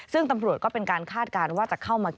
ซึ่งตำรวจก็เป็นการคาดการณ์ว่าจะเข้ามา